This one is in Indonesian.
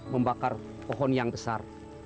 membakar pohon yang besar